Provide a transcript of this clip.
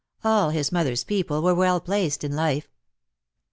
All his mo therms people were well placed in life.